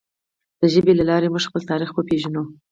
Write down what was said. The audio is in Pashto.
د ژبې له لارې موږ خپل تاریخ وپیژنو.